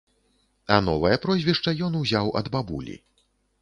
А новае прозвішча ён узяў ад бабулі.